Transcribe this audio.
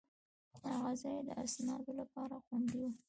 هغه ځای د اسنادو لپاره خوندي و.